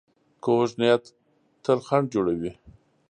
کوږ نیت تل خنډ جوړوي